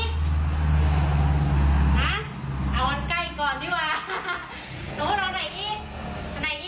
ไหนอีกไหนอีกไหนอีกต้องปิดประตูข้างนั้นไหมให้ให้นางดู